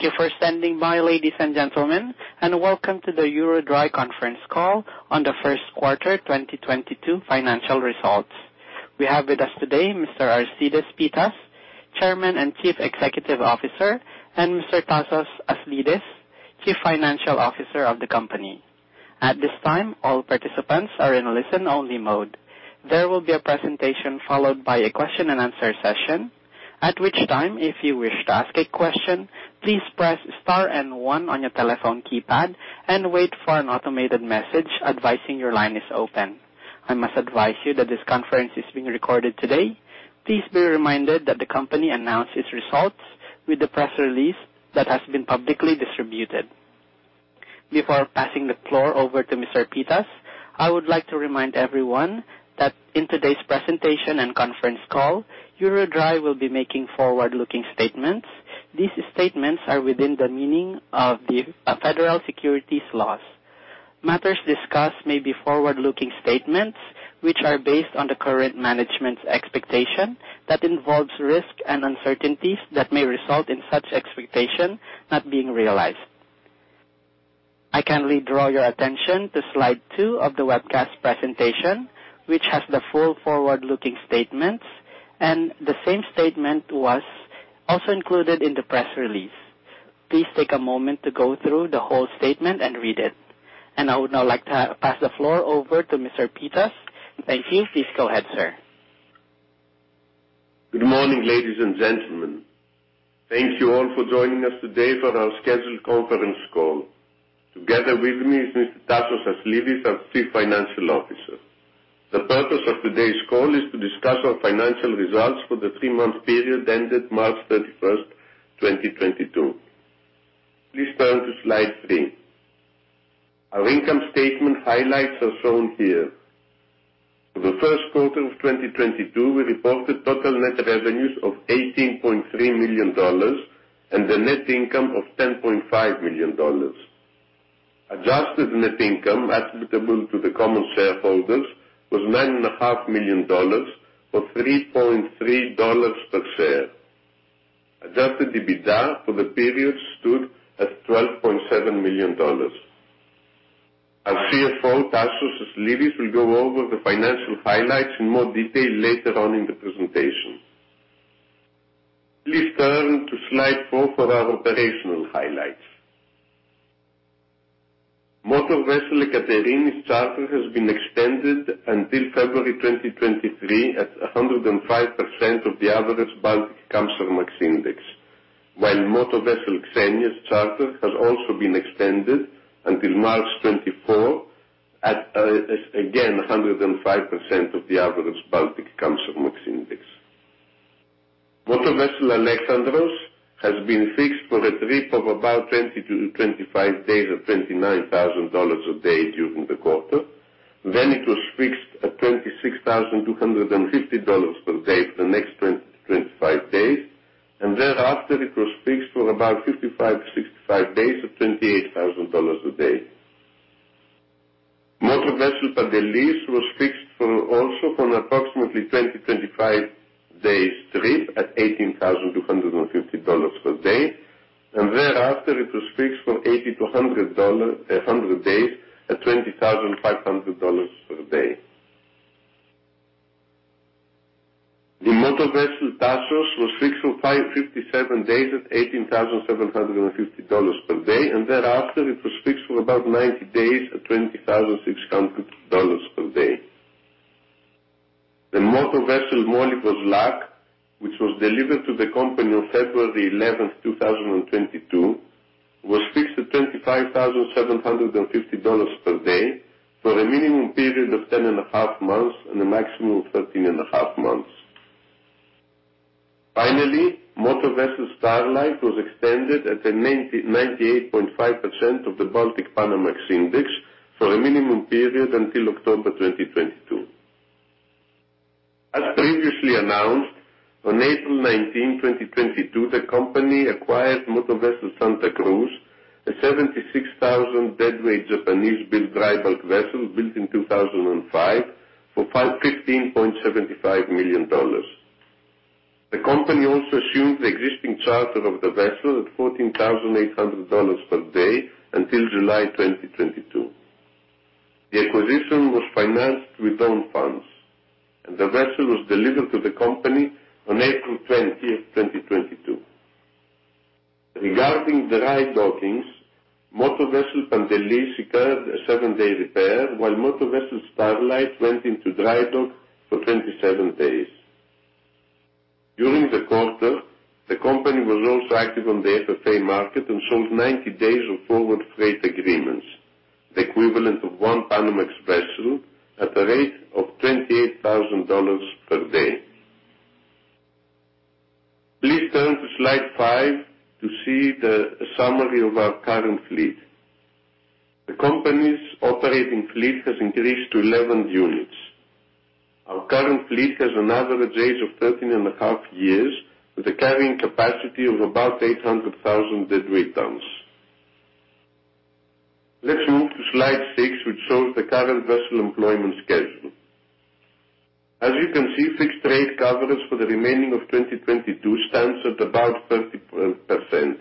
Thank you for standing by, ladies and gentlemen, and welcome to the EuroDry conference call on the first quarter 2022 financial results. We have with us today Mr. Aristides Pittas, Chairman and Chief Executive Officer, and Mr. Tasos Aslidis, Chief Financial Officer of the company. At this time, all participants are in listen-only mode. There will be a presentation followed by a question-and-answer session. At which time, if you wish to ask a question, please press star and one on your telephone keypad and wait for an automated message advising your line is open. I must advise you that this conference is being recorded today. Please be reminded that the company announced its results with the press release that has been publicly distributed. Before passing the floor over to Mr. Pittas, I would like to remind everyone that in today's presentation and conference call, EuroDry will be making forward-looking statements. These statements are within the meaning of the federal securities laws. Matters discussed may be forward-looking statements which are based on the current management's expectation that involves risks and uncertainties that may result in such expectation not being realized. I kindly draw your attention to slide two of the webcast presentation, which has the full forward-looking statements, and the same statement was also included in the press release. Please take a moment to go through the whole statement and read it. I would now like to pass the floor over to Mr. Pittas. Thank you. Please go ahead, sir. Good morning, ladies and gentlemen. Thank you all for joining us today for our scheduled conference call. Together with me is Mr. Tasos Aslidis, our Chief Financial Officer. The purpose of today's call is to discuss our financial results for the three-month period ended March 31st, 2022. Please turn to slide three. Our income statement highlights are shown here. For the first quarter of 2022, we reported total net revenues of $18.3 million and a net income of $10.5 million. Adjusted net income attributable to the common shareholders was $9.5 million, or $3.3 per share. Adjusted EBITDA for the period stood at $12.7 million. Our CFO, Tasos Aslidis, will go over the financial highlights in more detail later on in the presentation. Please turn to slide four for our operational highlights. Motor Vessel Ekaterini's charter has been extended until February 2023 at 105% of the average Baltic Kamsarmax Index, while Motor Vessel Xenia's charter has also been extended until March 2024 at a 105% of the average Baltic Kamsarmax Index. Motor Vessel Alexandros has been fixed for a trip of about 20-25 days at $29,000 a day during the quarter. It was fixed at $26,250 per day for the next 20-25 days, and thereafter it was fixed for about 55-65 days at $28,000 a day. Motor Vessel Pantelis was fixed for also an approximately 20-25 days trip at $18,250 per day, and thereafter it was fixed for 80-100 days at $20,500 per day. The Motor Vessel Tasos was fixed for 557 days at $18,750 per day, and thereafter it was fixed for about 90 days at $20,600 per day. The Motor Vessel Molyvos Luck, which was delivered to the company on February 11th, 2022, was fixed at $25,750 per day for a minimum period of ten and a half months and a maximum of thirteen and a half months. Finally, Motor Vessel Starlight was extended at a 98.5% of the Baltic Panamax Index for a minimum period until October 2022. As previously announced, on April 19th, 2022, the company acquired Motor Vessel Santa Cruz, a 76,000 deadweight Japanese-built dry bulk vessel built in 2005 for $51.75 million. The company also assumed the existing charter of the vessel at $14,800 per day until July 2022. The acquisition was financed with own funds, and the vessel was delivered to the company on April 20, 2022. Regarding the drydockings, Motor Vessel Pantelis incurred a seven-day repair, while Motor Vessel Starlight went into drydock for 27 days. During the quarter, the company was also active on the FFA market and sold 90 days of forward freight agreements, the equivalent of one Panamax vessel at a rate of $28,000 per day. Please turn to slide five to see the summary of our current fleet. The company's operating fleet has increased to 11 units. Our current fleet has an average age of 13.5 years with a carrying capacity of about 800,000 deadweight tons. Let's move to slide six, which shows the current vessel employment schedule. As you can see, fixed rate covers for the remaining of 2022 stands at about 30%.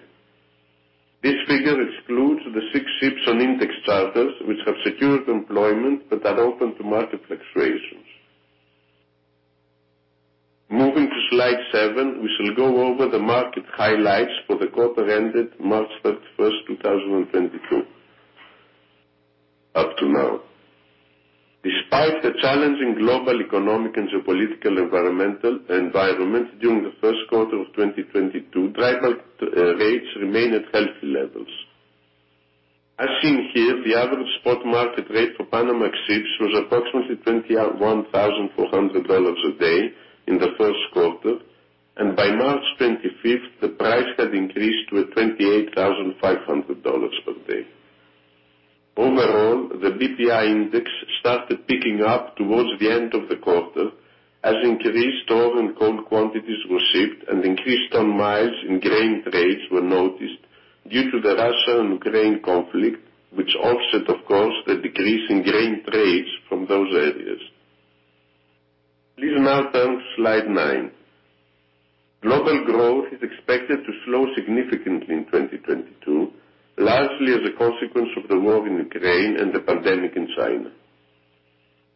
This figure excludes the six ships on index charters which have secured employment but are open to market fluctuations. Moving to slide seven, we shall go over the market highlights for the quarter ended March 31st, 2022 up to now. Despite the challenging global economic and geopolitical and environmental environment during the first quarter of 2022, dry bulk rates remain at healthy levels. As seen here, the average spot market rate for Panamax ships was approximately $21,400 a day in the first quarter, and by March 25th the price had increased to $28,500 per day. Overall, the BPI index started picking up towards the end of the quarter as increased ore and coal quantities were shipped and increased ton-miles in grain trades were noticed due to the Russia and Ukraine conflict which offset, of course, the decrease in grain trades from those areas. Please now turn to slide nine. Global growth is expected to slow significantly in 2022, largely as a consequence of the war in Ukraine and the pandemic in China.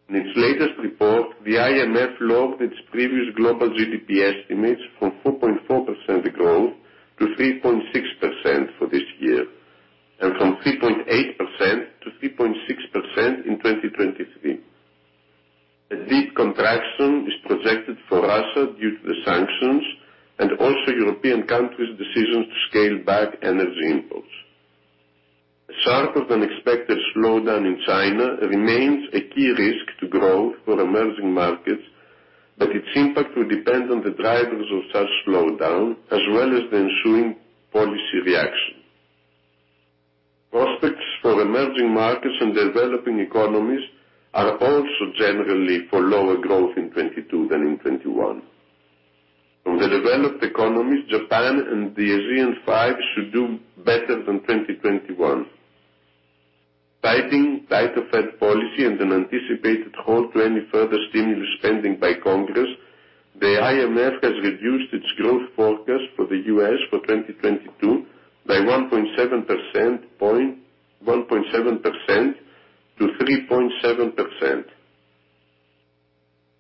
In its latest report, the IMF logged its previous global GDP estimates from 4.4% growth to 3.6% for this year and from 3.8% to 3.6% in 2023. A deep contraction is projected for Russia due to the sanctions and also European countries' decisions to scale back energy imports. A sharper than expected slowdown in China remains a key risk to growth for emerging markets, but its impact will depend on the drivers of such slowdown as well as the ensuing policy reaction. Prospects for emerging markets and developing economies are also generally for lower growth in 2022 than in 2021. From the developed economies, Japan and the ASEAN-5 should do better than 2021. Citing tighter Fed policy and an anticipated halt to any further stimulus spending by Congress, the IMF has reduced its growth forecast for the U.S. for 2022 by 1.7% to 3.7%.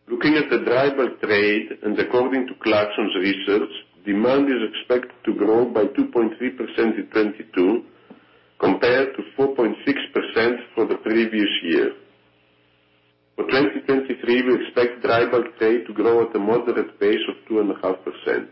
Looking at the dry bulk trade and according to Clarksons' research, demand is expected to grow by 2.3% in 2022 compared to 4.6% for the previous year. For 2023, we expect dry bulk trade to grow at a moderate pace of 2.5%.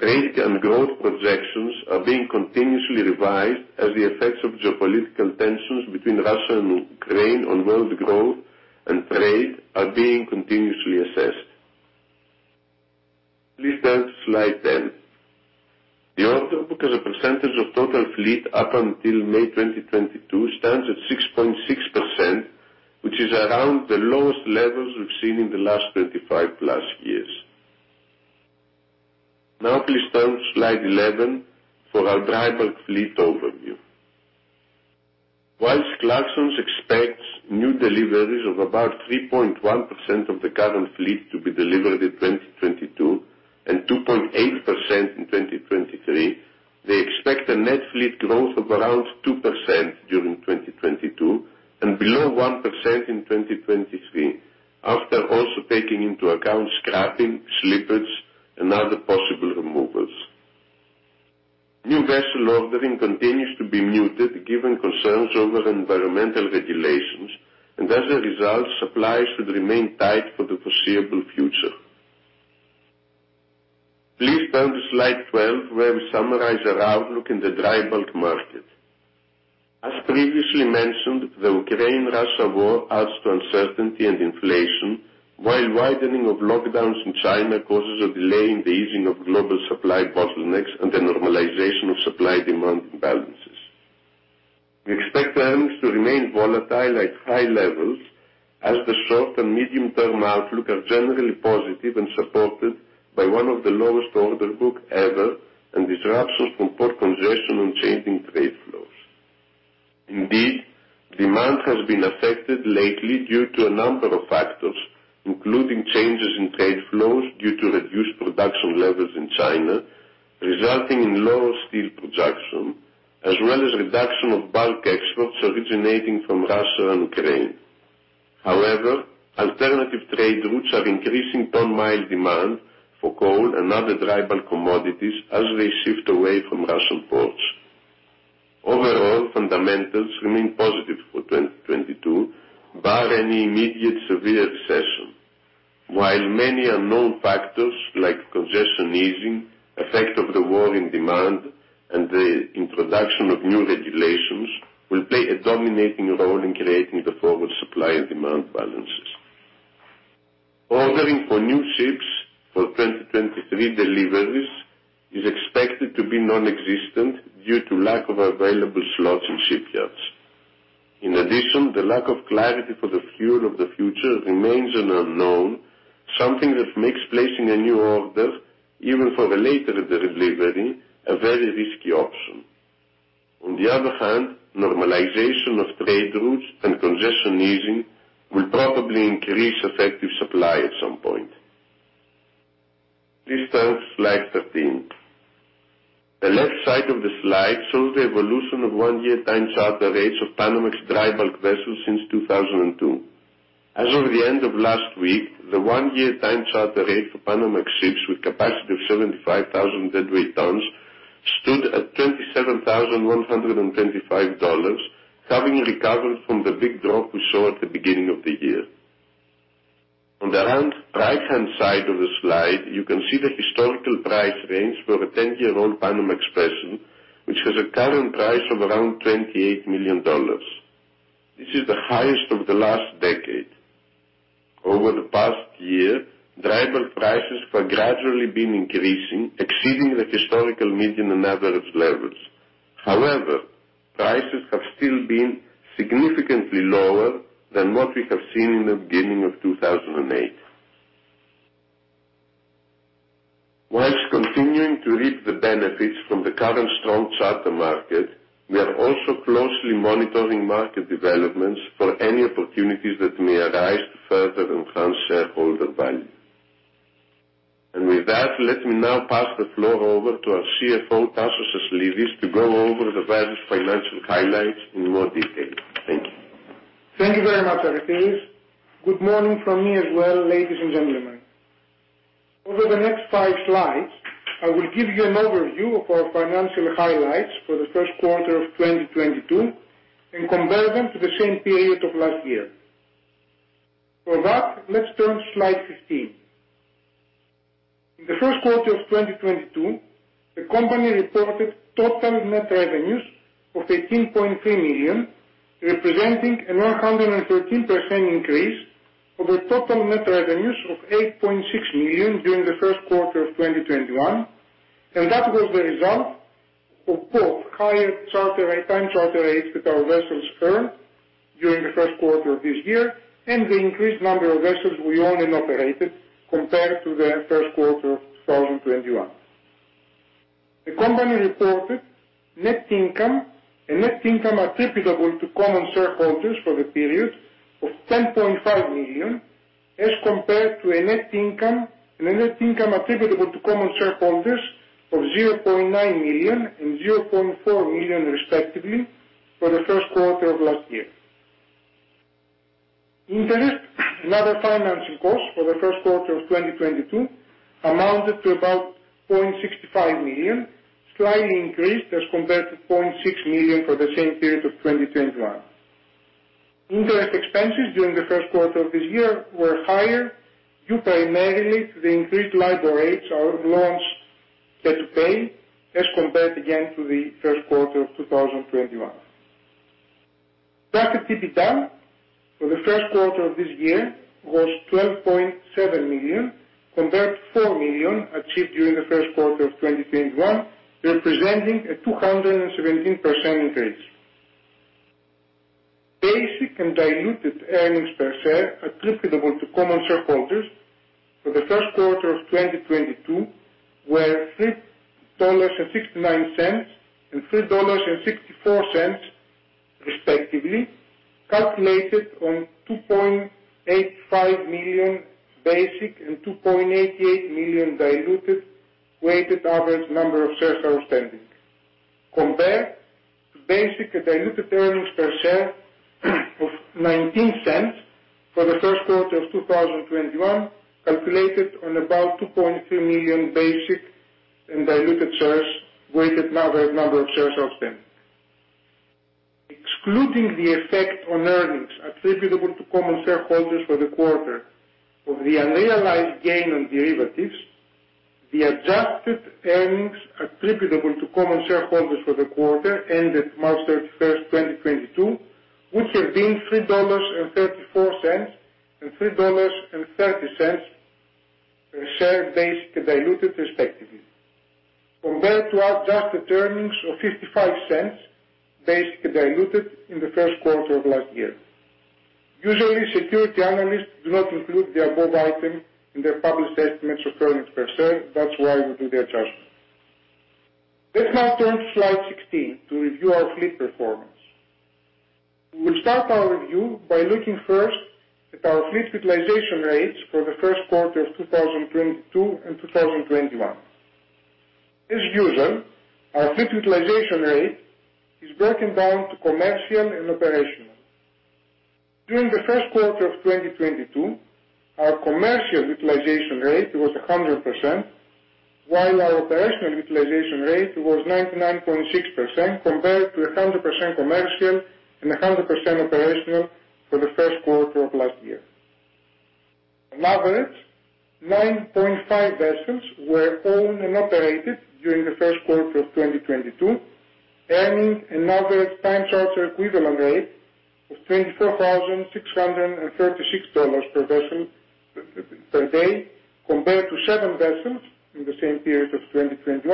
Trade and growth projections are being continuously revised as the effects of geopolitical tensions between Russia and Ukraine on world growth and trade are being continuously assessed. Please turn to slide 10. The order book as a percentage of total fleet up until May 2022 stands at 6.6%, which is around the lowest levels we've seen in the last 25+ years. Now please turn to slide 11 for our dry bulk fleet overview. While Clarksons expects new deliveries of about 3.1% of the current fleet to be delivered in 2022 and 2.8% in 2023, they expect a net fleet growth of around 2% during 2022 and below 1% in 2023, after also taking into account scrapping, slippage and other possible removals. New vessel ordering continues to be muted given concerns over environmental regulations and as a result, supplies should remain tight for the foreseeable future. Please turn to slide 12 where we summarize our outlook in the dry bulk market. As previously mentioned, the Ukraine-Russia war adds to uncertainty and inflation while widening of lockdowns in China causes a delay in the easing of global supply bottlenecks and the normalization of supply demand imbalances. We expect earnings to remain volatile at high levels as the short and medium-term outlook are generally positive and supported by one of the lowest order book ever and disruptions from port congestion on changing trade flows. Indeed, demand has been affected lately due to a number of factors, including changes in trade flows due to reduced production levels in China, resulting in lower steel production, as well as reduction of bulk exports originating from Russia and Ukraine. However, alternative trade routes are increasing ton-mile demand for coal and other dry bulk commodities as they shift away from Russian ports. Overall, fundamentals remain positive for 2022, bar any immediate severe recession. While many unknown factors like congestion easing, effect of the war on demand and the introduction of new regulations will play a dominating role in creating the forward supply and demand balances. Ordering for new ships for 2023 deliveries is expected to be non-existent due to lack of available slots in shipyards. In addition, the lack of clarity for the fuel of the future remains an unknown, something that makes placing a new order, even for the later of the delivery, a very risky option. On the other hand, normalization of trade routes and congestion easing will probably increase effective supply at some point. Please turn to slide 13. The left side of the slide shows the evolution of one-year time charter rates of Panamax dry bulk vessels since 2002. As of the end of last week, the one-year time charter rate for Panamax ships with capacity of 75,000 deadweight tons stood at $27,125, having recovered from the big drop we saw at the beginning of the year. On the right-hand side of the slide, you can see the historical price range for a 10-year-old Panamax vessel, which has a current price of around $28 million. This is the highest of the last decade. Over the past year, dry bulk prices have gradually been increasing, exceeding the historical median and average levels. However, prices have still been significantly lower than what we have seen in the beginning of 2008. While continuing to reap the benefits from the current strong charter market, we are also closely monitoring market developments for any opportunities that may arise to further enhance shareholder value. With that, let me now pass the floor over to our CFO, Tasos Aslidis, to go over the various financial highlights in more detail. Thank you. Thank you very much, Aristides. Good morning from me as well, ladies and gentlemen. Over the next 5 slides, I will give you an overview of our financial highlights for the first quarter of 2022 and compare them to the same period of last year. For that, let's turn to slide 15. In the first quarter of 2022, the company reported total net revenues of $18.3 million, representing a 913% increase over total net revenues of $8.6 million during the first quarter of 2021. That was the result of both higher charter and time charter rates that our vessels earned during the first quarter of this year and the increased number of vessels we own and operated compared to the first quarter of 2021. The company reported net income and net income attributable to common shareholders for the period of $10.5 million, as compared to a net income and a net income attributable to common shareholders of $0.9 million and $0.4 million, respectively, for the first quarter of last year. Interest and other financing costs for the first quarter of 2022 amounted to about $0.65 million, slightly increased as compared to $0.6 million for the same period of 2021. Interest expenses during the first quarter of this year were higher due primarily to the increased LIBOR rates our loans had to pay as compared again to the first quarter of 2021. Profit EBITDA for the first quarter of this year was $12.7 million, compared to $4 million achieved during the first quarter of 2021, representing a 217% increase. Basic and diluted earnings per share attributable to common shareholders for the first quarter of 2022 were $3.69 and $3.64, respectively, calculated on 2.85 million basic and 2.88 million diluted weighted average number of shares outstanding. Compared to basic and diluted earnings per share of $0.19 for the first quarter of 2021, calculated on about 2.3 million basic and diluted shares, weighted number of shares outstanding. Excluding the effect on earnings attributable to common shareholders for the quarter of the unrealized gain on derivatives, the adjusted earnings attributable to common shareholders for the quarter ended March 31st, 2022, would have been $3.34 and $3.30 per share basic and diluted, respectively, compared to adjusted earnings of $0.55 basic and diluted in the first quarter of last year. Usually, security analysts do not include the above item in their published estimates of earnings per share. That's why we do the adjustment. Let's now turn to slide 16 to review our fleet performance. We will start our review by looking first at our fleet utilization rates for the first quarter of 2022 and 2021. As usual, our fleet utilization rate is broken down to commercial and operational. During the first quarter of 2022, our commercial utilization rate was 100%, while our operational utilization rate was 99.6% compared to 100% commercial and 100% operational for the first quarter of last year. On average, 9.5 vessels were owned and operated during the first quarter of 2022, earning an average time charter equivalent rate of $24,636 per vessel per day compared to seven vessels in the same period of 2021,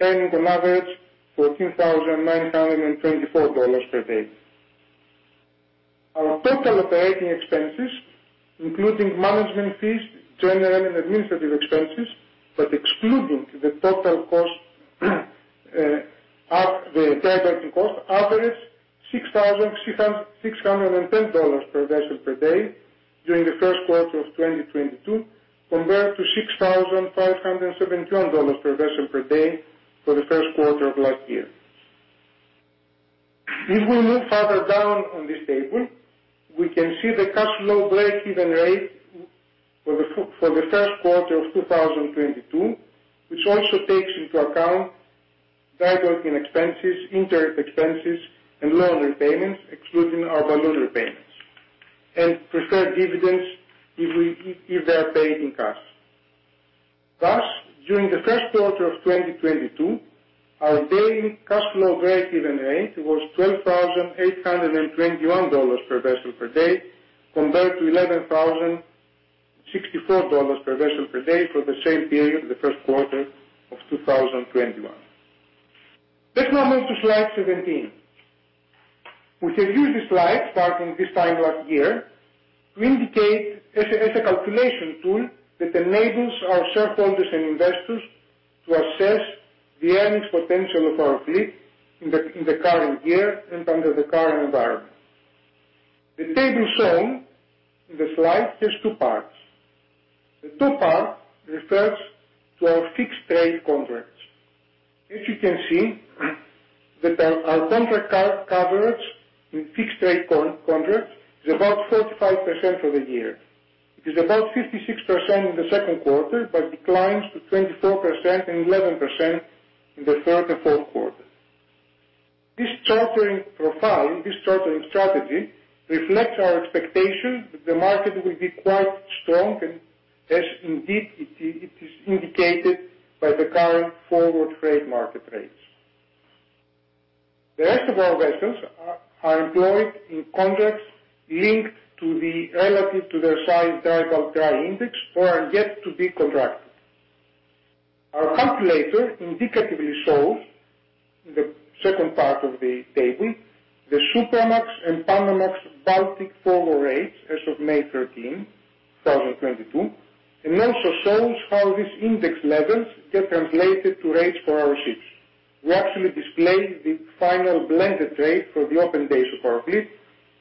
earning on average $14,924 per day. Our total operating expenses, including management fees, general and administrative expenses, but excluding the total cost of the drydocking cost, averages $6,610 per vessel per day during the first quarter of 2022, compared to $6,517 per vessel per day for the first quarter of last year. If we move further down on this table, we can see the cash flow break-even rate for the first quarter of 2022, which also takes into account drydocking expenses, interest expenses and loan repayments, excluding our balloon repayments and preferred dividends if they are paid in cash. Thus, during the first quarter of 2022, our daily cash flow break-even rate was $12,821 per vessel per day, compared to $11,064 per vessel per day for the same period in the first quarter of 2021. Let's now move to slide 17. We have used this slide starting this time last year to indicate as a calculation tool that enables our shareholders and investors to assess the earnings potential of our fleet in the current year and under the current environment. The table shown in the slide has two parts. The top part refers to our fixed trade contracts. As you can see that our contract coverage with fixed trade contracts is about 35% for the year. It is about 56% in the second quarter, but declines to 24% and 11% in the third and fourth quarters. This chartering profile, this chartering strategy reflects our expectation that the market will be quite strong and, as indeed it is, it is indicated by the current forward freight market rates. The rest of our vessels are employed in contracts linked to the Baltic Dry Index relative to their size or are yet to be contracted. Our calculator indicatively shows in the second part of the table the Supramax and Panamax Baltic forward rates as of May 13, 2022, and also shows how these index levels get translated to rates for our ships. We actually display the final blended rate for the open days of our fleet,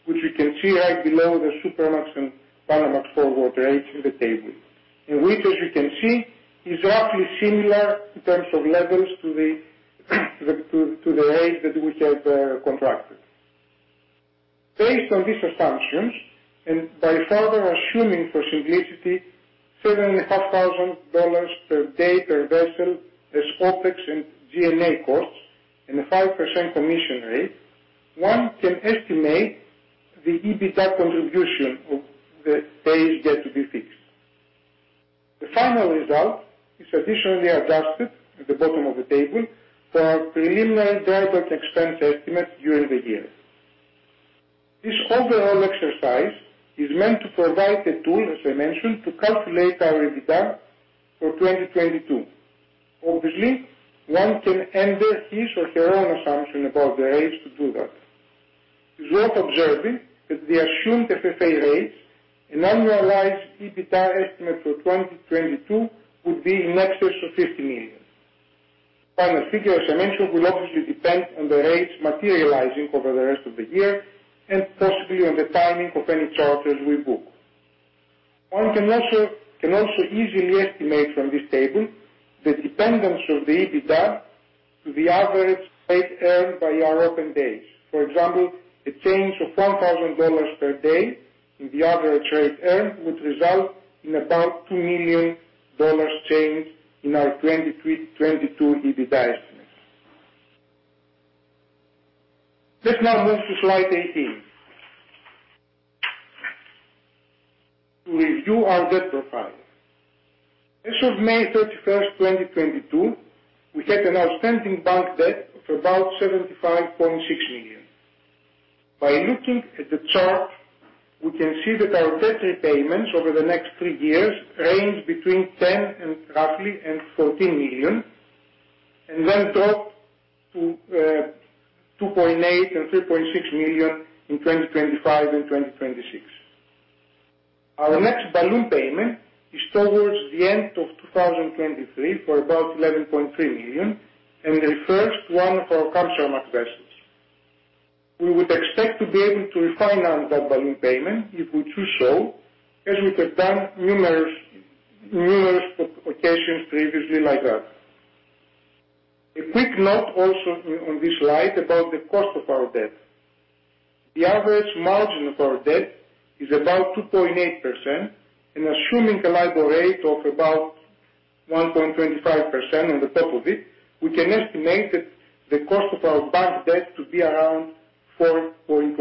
which you can see right below the Supramax and Panamax forward rates in the table, in which as you can see is roughly similar in terms of levels to the rates that we have contracted. Based on these assumptions and by further assuming for simplicity $7,500 per day per vessel as OpEx and G&A costs and a 5% commission rate, one can estimate the EBITDA contribution of the days yet to be fixed. The final result is additionally adjusted at the bottom of the table for our preliminary direct expense estimate during the year. This overall exercise is meant to provide a tool, as I mentioned, to calculate our EBITDA for 2022. Obviously, one can enter his or her own assumption about the rates to do that. It is worth observing that the assumed FFA rates and annualized EBITDA estimate for 2022 would be in excess of $50 million. Final figures, as I mentioned, will obviously depend on the rates materializing over the rest of the year and possibly on the timing of any charters we book. One can also easily estimate from this table the dependence of the EBITDA to the average rate earned by our open days. For example, a change of $1,000 per day in the average rate earned would result in about $2 million change in our 2023, 2022 EBITDA estimates. Let's now move to slide 18. To review our debt profile. As of May 31st 2022, we had an outstanding bank debt of about $75.6 million. By looking at the chart, we can see that our debt repayments over the next three years range between $10 million and roughly $14 million, and then drop to $2.8 million and $3.6 million in 2025 and 2026. Our next balloon payment is towards the end of 2023 for about $11.3 million and refers to one of our Kamsarmax vessels. We would expect to be able to refinance that balloon payment if we choose so, as we have done numerous occasions previously like that. A quick note also on this slide about the cost of our debt. The average margin of our debt is about 2.8% and assuming a LIBOR rate of about 1.25% on the top of it, we can estimate that the cost of our bank debt to be around 4.1%.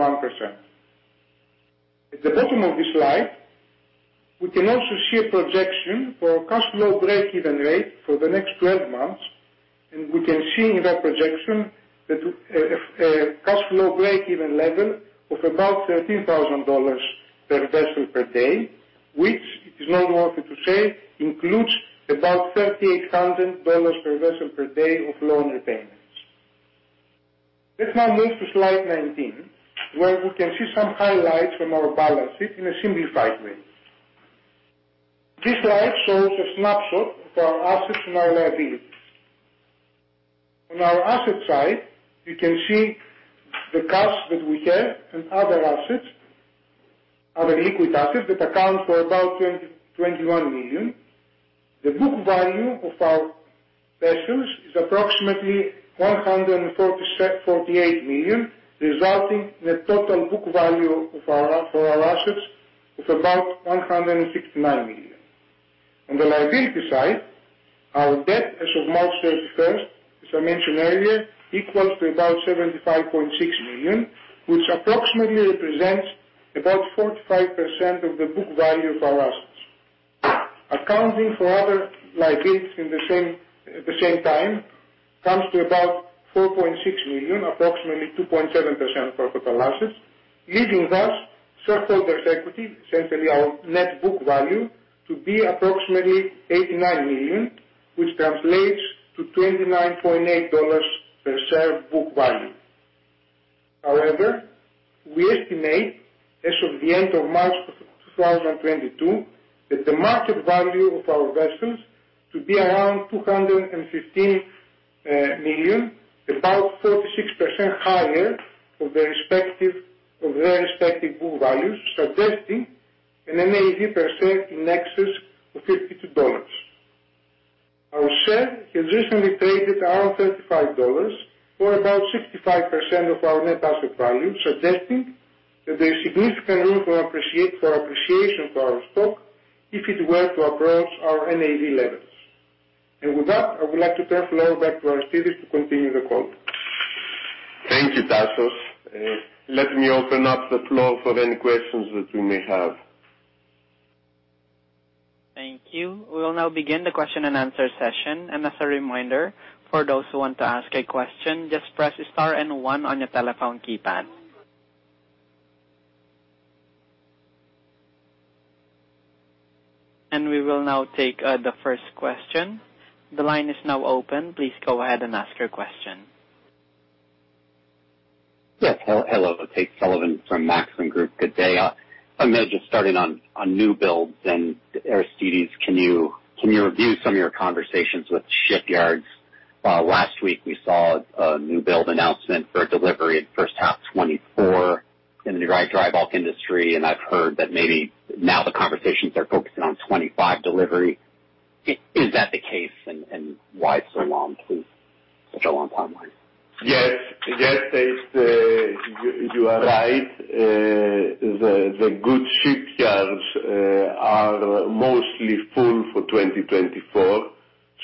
At the bottom of this slide, we can also see a projection for our cash flow break-even rate for the next 12 months. We can see in that projection that a cash flow break-even level of about $13,000 per vessel per day, which is no more to say, includes about $38,000 per vessel per day of loan repayments. Let's now move to slide 19, where we can see some highlights from our balance sheet in a simplified way. This slide shows a snapshot of our assets and our liabilities. On our asset side, you can see the cash that we have and other assets, other liquid assets that account for about $21 million. The book value of our vessels is approximately $148 million, resulting in a total book value of our, for our assets of about $169 million. On the liability side, our debt as of March 31st, as I mentioned earlier, equals to about $75.6 million, which approximately represents about 45% of the book value of our assets. Accounting for other liabilities in the same, at the same time comes to about $4.6 million, approximately 2.7% of total assets, leaving thus shareholders equity, essentially our net book value, to be approximately $89 million, which translates to $29.8 per share book value. However, we estimate as of the end of March 2022, that the market value of our vessels to be around $215 million, about 46% higher than their respective book values, suggesting an NAV per share in excess of $52. Our share has recently traded around $35 or about 65% of our net asset value, suggesting that there is significant room for appreciation for our stock if it were to approach our NAV levels. With that, I would like to pass the floor back to Aristides to continue the call. Thank you, Tasos. Let me open up the floor for any questions that you may have. Thank you. We will now begin the question-and-answer session. As a reminder for those who want to ask a question, just press star and one on your telephone keypad. We will now take the first question. The line is now open. Please go ahead and ask your question. Hello. Tate Sullivan from Maxim Group. Good day. I'm just gonna start on new builds and Aristides, can you review some of your conversations with shipyards? Last week we saw a new build announcement for delivery in first half 2024 in the dry bulk industry, and I've heard that maybe now the conversations are focusing on 2025 delivery. Is that the case and why so long please, such a long timeline? Yes. Yes, Tate. You are right. The good shipyards are mostly full for 2024,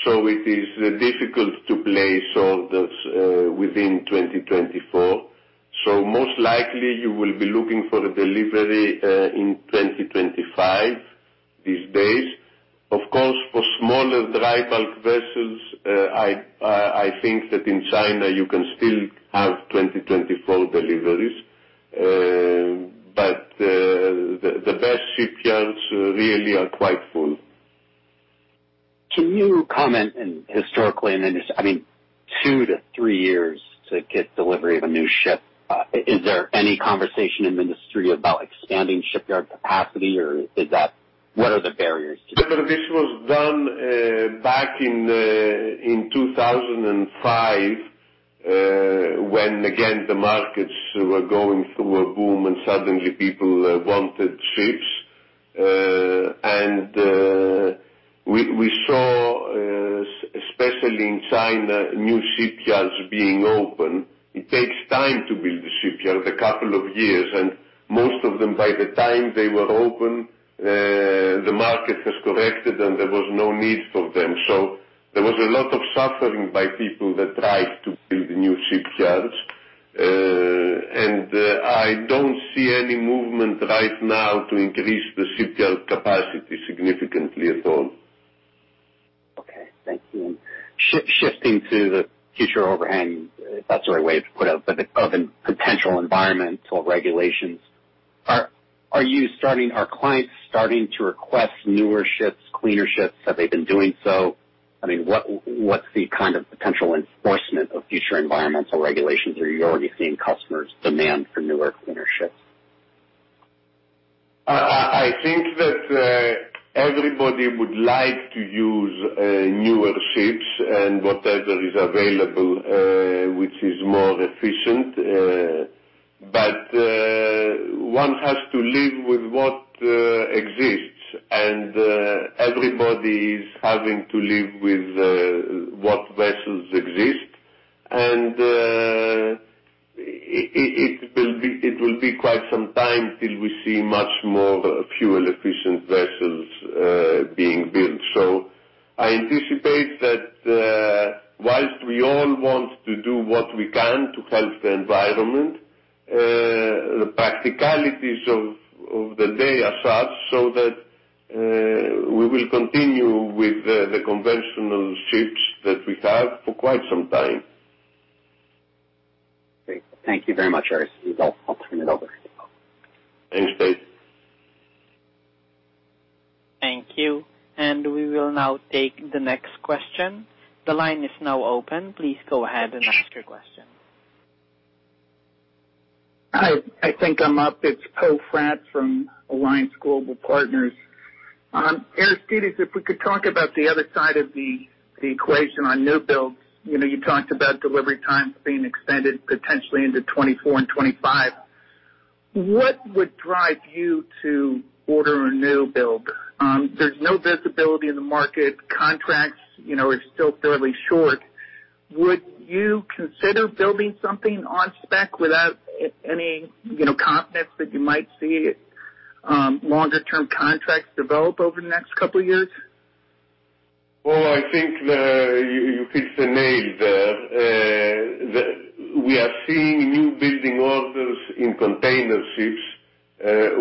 so it is difficult to place orders within 2024. Most likely you will be looking for a delivery in 2025 these days. Of course, for smaller dry bulk vessels, I think that in China you can still have 2024 deliveries. The best shipyards really are quite full. Can you comment -- and historically, and then, I mean, two to three years to get delivery of a new ship. Is there any conversation in industry about expanding shipyard capacity, or what are the barriers to that? This was done back in 2005, when again, the markets were going through a boom and suddenly people wanted ships. We saw, especially in China, new shipyards being open. It takes time to build the shipyard, a couple of years, and most of them, by the time they were open, the market has corrected and there was no need for them. There was a lot of suffering by people that tried to build new shipyards. I don't see any movement right now to increase the shipyard capacity significantly at all. Okay. Thank you. Shifting to the future overhang of potential environmental regulations, if that's the right way to put it. Are your clients starting to request newer ships, cleaner ships? Have they been doing so? I mean, what's the kind of potential enforcement of future environmental regulations? Are you already seeing customers demand for newer, cleaner ships? I think that everybody would like to use newer ships and whatever is available which is more efficient. One has to live with what exists, and everybody is having to live with what vessels exist. It will be quite some time till we see much more fuel efficient vessels being built. I anticipate that while we all want to do what we can to help the environment, the practicalities of the day as such so that we will continue with the conventional ships that we have for quite some time. Great. Thank you very much, Aristides. I'll turn it over. Thanks, Tate. Thank you. We will now take the next question. The line is now open. Please go ahead and ask your question. Hi. I think I'm up. It's Poe Fratt from Alliance Global Partners. Aristides, if we could talk about the other side of the equation on new builds. You know, you talked about delivery times being extended potentially into 2024 and 2025. What would drive you to order a new build? There's no visibility in the market. Contracts, you know, are still fairly short. Would you consider building something on spec without any, you know, confidence that you might see longer term contracts develop over the next couple of years? Well, I think you hit the nail there. We are seeing newbuilding orders in container ships,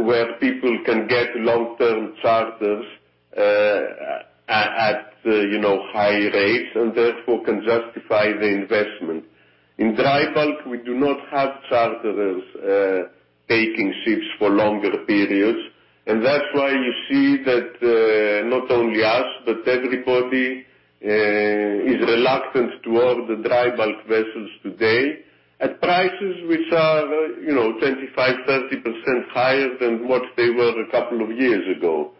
where people can get long-term charters at you know high rates and therefore can justify the investment. In dry bulk, we do not have charterers taking ships for longer periods. That's why you see that not only us, but everybody is reluctant to order dry bulk vessels today at prices which are you know 25%-30% higher than what they were a couple of years ago.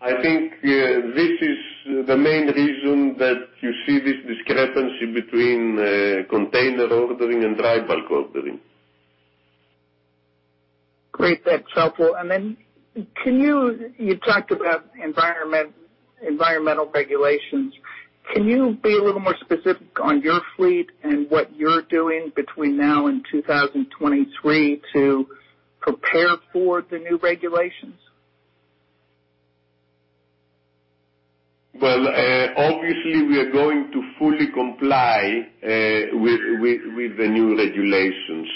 I think this is the main reason that you see this discrepancy between container ordering and dry bulk ordering. Great. That's helpful. You talked about environmental regulations. Can you be a little more specific on your fleet and what you're doing between now and 2023 to prepare for the new regulations? Well, obviously we are going to fully comply with the new regulations.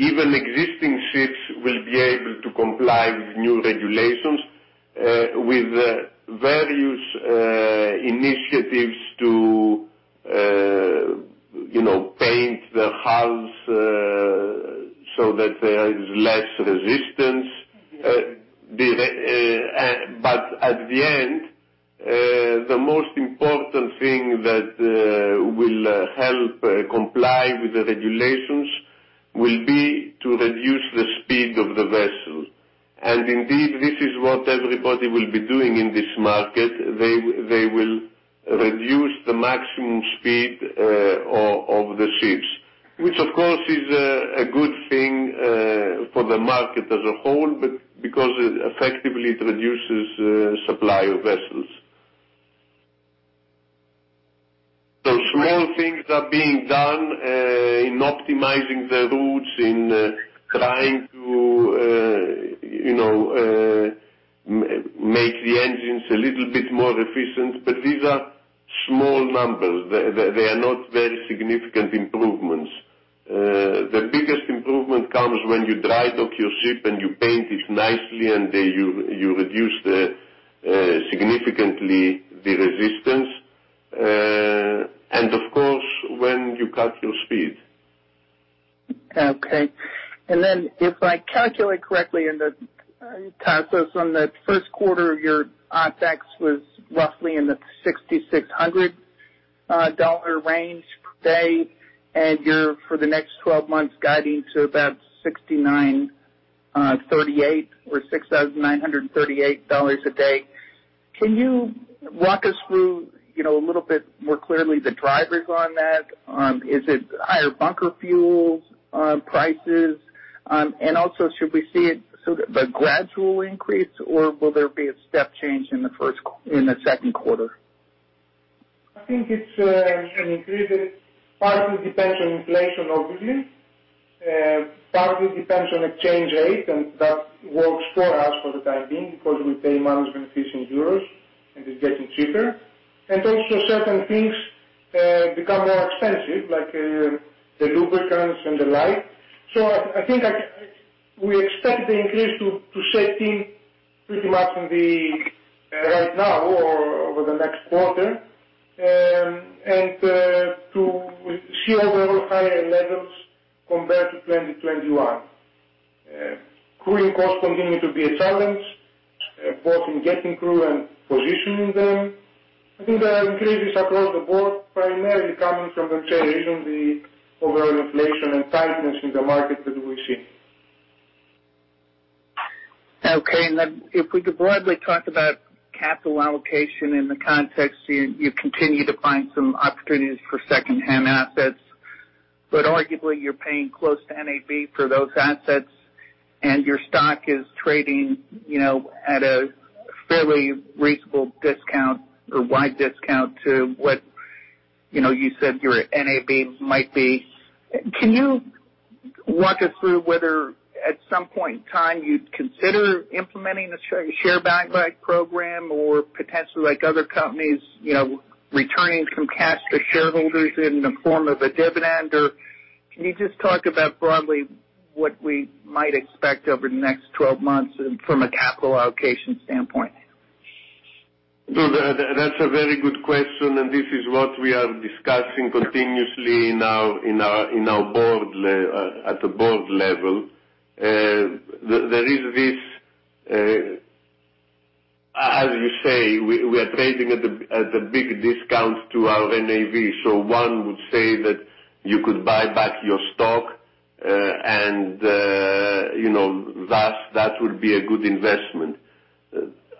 Even existing ships will be able to comply with new regulations with various initiatives to, you know, paint the hulls so that there is less resistance. At the end, the most important thing that will help comply with the regulations will be to reduce the speed of the vessel. Indeed, this is what everybody will be doing in this market. They will reduce the maximum speed of the ships, which of course is a good thing for the market as a whole because it effectively reduces supply of vessels. Small things are being done in optimizing the routes, in trying to you know make the engines a little bit more efficient, but these are small numbers. They are not very significant improvements. The biggest improvement comes when you drydock your ship and you paint it nicely, and then you reduce significantly the resistance, and of course, when you cut your speed. Okay. If I calculate correctly in the 10-Q that's for the first quarter, your OpEx was roughly in the $6,600 dollar range per day, and you're guiding for the next twelve months to about $6,938 dollars a day. Can you walk us through, you know, a little bit more clearly the drivers on that? Is it higher bunker fuel prices? Also, should we see it as the gradual increase, or will there be a step change in the second quarter? I think it's an increase that partly depends on inflation, obviously. Partly depends on exchange rate, and that works for us for the time being because we pay management fees in euros, and it's getting cheaper. Also certain things become more expensive, like the lubricants and the like. I think we expect the increase to set in pretty much right now or over the next quarter, and to see overall higher levels compared to 2021. Crewing costs continue to be a challenge, both in getting crew and positioning them. I think there are increases across the board primarily coming from the change in the overall inflation and tightness in the market that we see. Okay. If we could broadly talk about capital allocation in the context, you continue to find some opportunities for second-hand assets, but arguably you're paying close to NAV for those assets and your stock is trading, you know, at a fairly reasonable discount or wide discount to what, you know, you said your NAV might be. Can you walk us through whether at some point in time you'd consider implementing a share buyback program or potentially like other companies, you know, returning some cash to shareholders in the form of a dividend. Or can you just talk about what we might expect over the next twelve months from a capital allocation standpoint? That's a very good question, and this is what we are discussing continuously at the board level. There is this, as you say, we are trading at a big discount to our NAV. One would say that you could buy back your stock, and you know, thus that would be a good investment.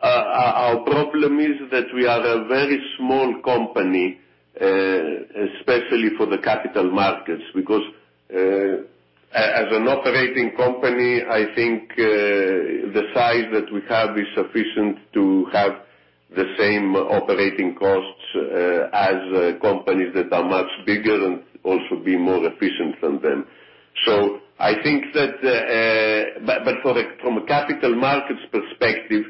Our problem is that we are a very small company, especially for the capital markets. Because, as an operating company, I think, the size that we have is sufficient to have the same operating costs, as companies that are much bigger and also be more efficient than them. I think that. From a capital markets perspective,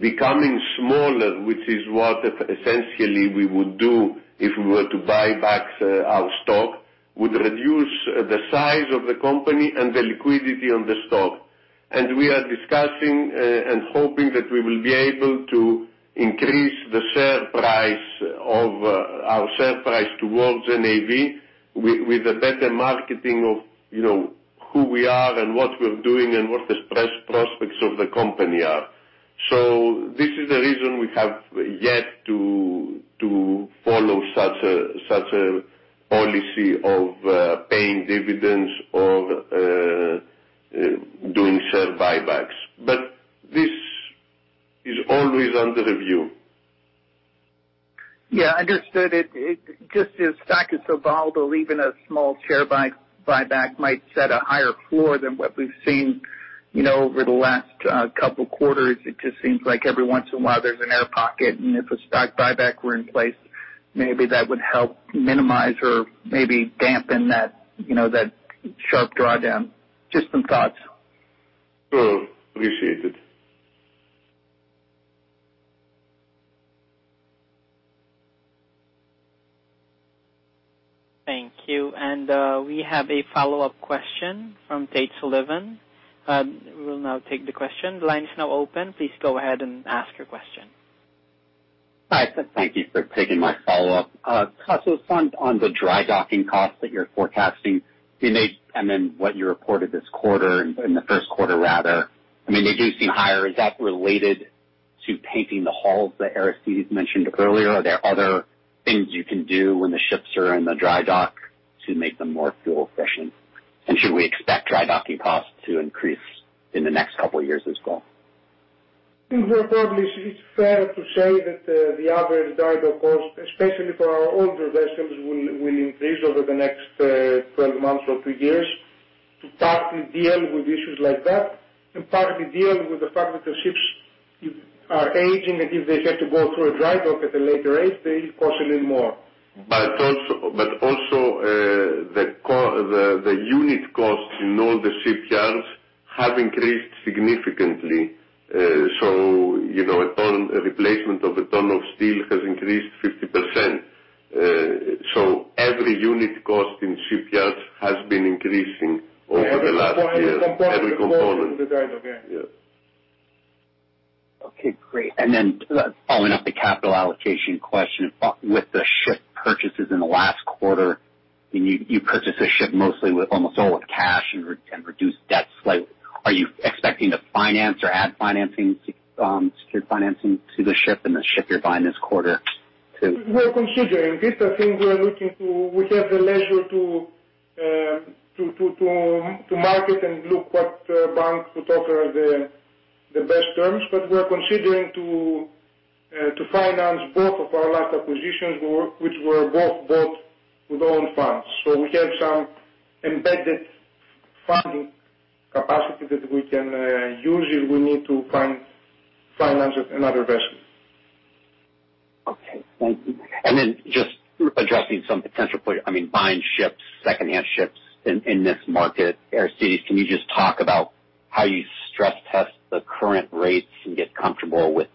becoming smaller, which is what essentially we would do if we were to buy back our stock, would reduce the size of the company and the liquidity on the stock. We are discussing and hoping that we will be able to increase our share price towards NAV with a better marketing of, you know, who we are and what we're doing and what the prospects of the company are. This is the reason we have yet to follow such a policy of paying dividends or doing share buybacks. This is always under review. Yeah. Understood. It just, the stock is so volatile, even a small share buyback might set a higher floor than what we've seen, you know, over the last couple quarters. It just seems like every once in a while there's an air pocket, and if a stock buyback were in place, maybe that would help minimize or maybe dampen that, you know, that sharp drawdown. Just some thoughts. Sure. Appreciate it. Thank you. We have a follow-up question from Tate Sullivan. We will now take the question. The line is now open. Please go ahead and ask your question. Hi, thank you for taking my follow-up. So on the drydocking costs that you're forecasting, can they and then what you reported this quarter, in the first quarter rather, I mean, they do seem higher. Is that related to painting the hulls that Aristides mentioned earlier? Are there other things you can do when the ships are in the drydock to make them more fuel efficient? Should we expect drydocking costs to increase in the next couple of years as well? It probably is fair to say that the average drydock cost, especially for our older vessels, will increase over the next 12 months or two years to partly deal with issues like that and partly deal with the fact that the ships are aging and if they have to go through a drydock at a later age, they cost a little more. The unit costs in all the shipyards have increased significantly. You know, a ton, a replacement of a ton of steel has increased 50%. Every unit cost in shipyards has been increasing over the last year. Every component. Yeah. Okay, great. Following up the capital allocation question, with the ship purchases in the last quarter, you purchased a ship mostly with almost all with cash and reduced debts. Like, are you expecting to finance or add financing, secure financing to the ship and the ship you're buying this quarter too? We're considering this. I think we have the leisure to market and look at what banks would offer the best terms. We're considering to finance both of our last acquisitions, which were both bought with own funds. We have some embedded funding capacity that we can use if we need to finance another vessel. Okay. Thank you. Just addressing some potential, I mean, buying ships, second-hand ships in this market. Aristides, can you just talk about how you stress test the current rates and get comfortable with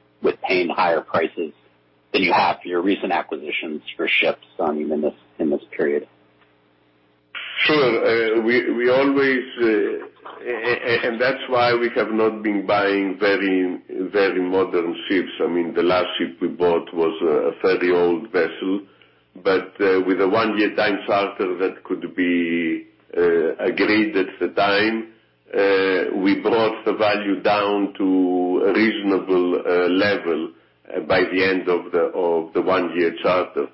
paying higher prices than you have your recent acquisitions for ships on even this, in this period? Sure. We always and that's why we have not been buying very, very modern ships. I mean, the last ship we bought was a fairly old vessel. With a one-year time charter that could be agreed at the time, we brought the value down to a reasonable level by the end of the one-year charter.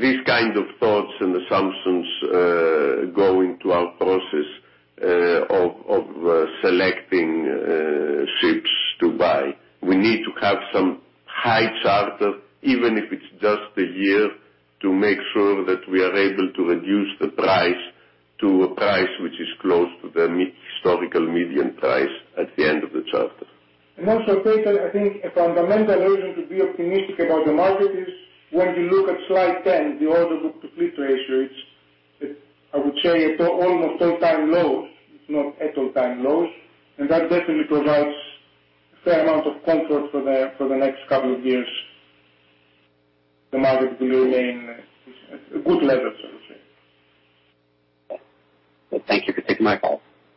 These kind of thoughts and assumptions go into our process of selecting ships to buy. We need to have some high charter, even if it's just a year, to make sure that we are able to reduce the price to a price which is close to the mid historical median price at the end of the charter. Also, Tate, I think a fundamental reason to be optimistic about the market is when you look at slide 10, the order book to fleet ratio it's I would say at almost all-time lows, if not at all-time lows. That definitely provides a fair amount of comfort for the next couple of years. The market will remain at a good level, so to say. Thank you for taking my call.